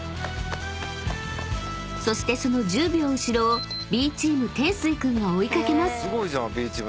［そしてその１０秒後ろをＢチームてんすい君が追い掛けます］